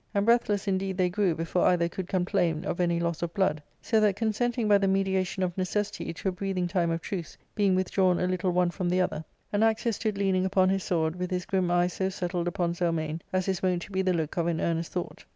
And breathless indeed they grew before either could complain of any loss of blood. So that consenting by the mediation of necessity to a breathing time of truce, being withdrawn a little one from the other, Anaxius stood leaning upon his sword with his grim eye so settled upon Zelmane as is wont to be the look of an earnest thought.